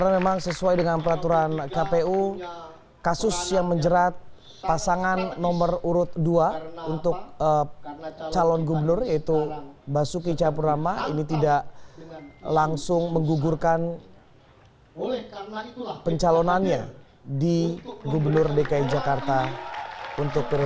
dan sekarang kita segera bergabung ke mabespori